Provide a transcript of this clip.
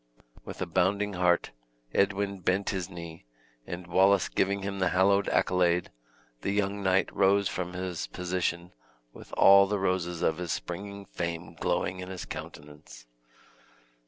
With a bounding heart Edwin bent his knee, and Wallace giving him the hallowed accolade, the young knight rose from his position with all the roses of his springing fame glowing in his countenance.